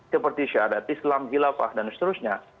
seperti syarat islam khilafah dan seterusnya